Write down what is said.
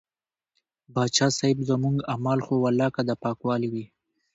پاچا صاحب زموږ اعمال خو ولاکه د پاکوالي وي.